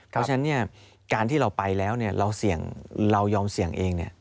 เพราะฉะนั้นการที่เราไปแล้วเรายอมเสี่ยงเอง